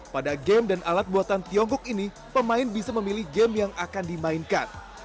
pada game dan alat buatan tiongkok ini pemain bisa memilih game yang akan dimainkan